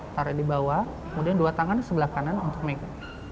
taruh di bawah kemudian dua tangan di sebelah kanan untuk mega